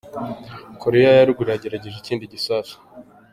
Korea ya ruguru yagerageje ikindi gisasu.